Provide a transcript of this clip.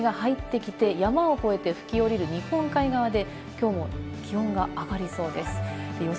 この湿った空気が入ってきて、山を越えて吹き降りる日本海側できょうも気温が上がりそうです。